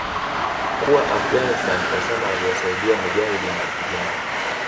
kuwa Afghanistan Osama aliwasaidia mujahideen kupigana